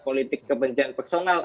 politik kebencian personal